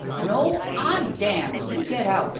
"No, I'm damned! You get out.